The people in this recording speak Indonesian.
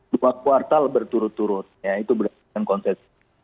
dua kuartal berturut turut ya itu berdasarkan konsep